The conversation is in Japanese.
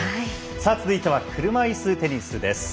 さあ続いては車いすテニスです。